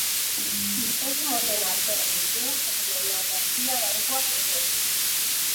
Hiztegi moten artean ditugu Terminologia-bankuak ere.